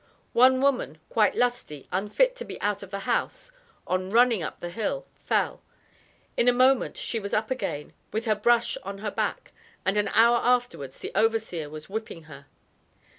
"One woman, quite LUSTY, unfit to be out of the house, on RUNNING UP THE HILL, fell; in a moment she was up again with her brush on her back, and an hour afterwards the overseer was whipping her."